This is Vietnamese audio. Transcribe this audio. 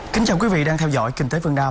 kính chào quý vị đang theo dõi kinh tế phương nam